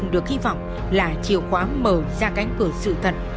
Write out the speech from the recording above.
được hy vọng là chiều khóa mở ra cánh cửa sự thật